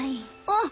あっ！